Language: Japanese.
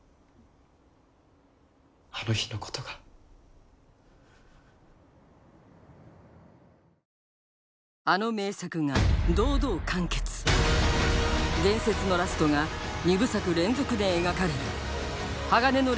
あの日のことがあの名作が堂々完結伝説のラストが２部作連続で描かれる勝てよやめろ！